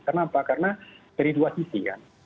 kenapa karena dari dua sisi kan